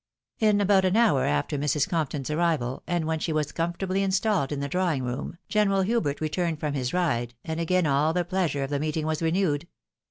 In about an hour after Mrs. Compton's arrival, and when she was comfortably installed in the drawing room, General Hubert returned from his ride, and again all the pleasure of the meeting was renewed.